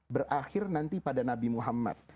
berakhir nanti pada nabi muhammad